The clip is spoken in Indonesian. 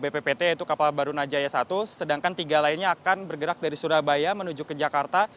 bppt yaitu kapal barunajaya satu sedangkan tiga lainnya akan bergerak dari surabaya menuju ke jakarta